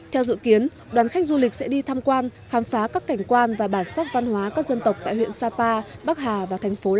theo dự kiến đoàn khách du lịch sẽ đi tham quan khám phá các cảnh quan và bản sắc văn hóa các dân tộc tại huyện sapa bắc hà và thành phố đà lạt